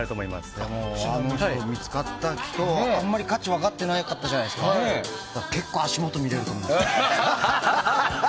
見つかった人はあまり価値分かってなかったですから結構、足元を見れると思います。